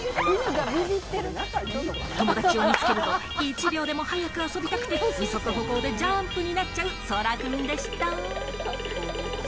友達を見つけると、１秒でも早く遊びたくて２足歩行でジャンプになっちゃう空くんでした。